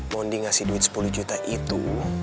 bonding ngasih duit sepuluh juta itu